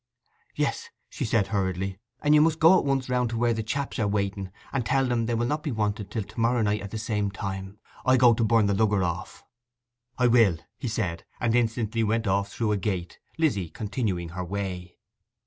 'Yes,' she said hurriedly; 'and you must go at once round to where the chaps are waiting, and tell them they will not be wanted till to morrow night at the same time. I go to burn the lugger off.' 'I will,' he said; and instantly went off through a gate, Lizzy continuing her way.